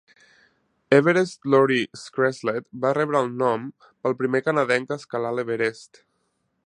Everest Laurie Skreslet va rebre el nom pel primer canadenc a escalar l'Everest.